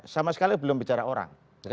sama sekali belum bicara orang